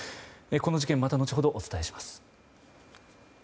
この事件、また後ほどお伝えします。